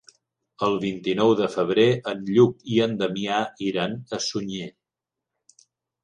El vint-i-nou de febrer en Lluc i en Damià iran a Sunyer.